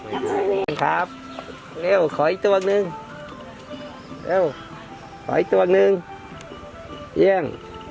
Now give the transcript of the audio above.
สวัสดีครับเร็วขออีกตัวหนึ่งเร็วขออีกตัวหนึ่งเยี่ยม